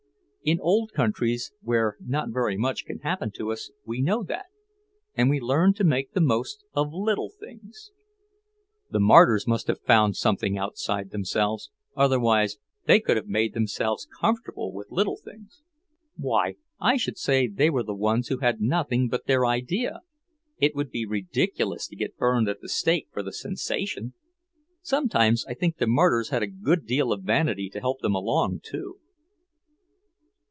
In old countries, where not very much can happen to us, we know that, and we learn to make the most of little things." "The martyrs must have found something outside themselves. Otherwise they could have made themselves comfortable with little things." "Why, I should say they were the ones who had nothing but their idea! It would be ridiculous to get burned at the stake for the sensation. Sometimes I think the martyrs had a good deal of vanity to help them along, too."